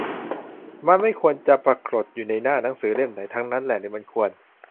มันไม่ควรจะปรากฎอยู่ในหน้าหนังสือเล่มไหนทั้งนั้นแหละ หรือมันควร